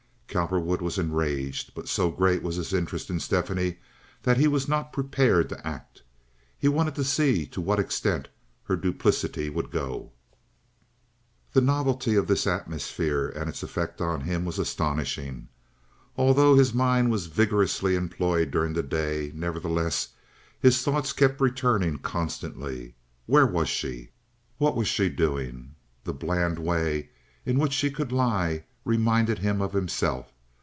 Cowperwood was enraged, but so great was his interest in Stephanie that he was not prepared to act. He wanted to see to what extent her duplicity would go. The novelty of this atmosphere and its effect on him was astonishing. Although his mind was vigorously employed during the day, nevertheless his thoughts kept returning constantly. Where was she? What was she doing? The bland way in which she could lie reminded him of himself.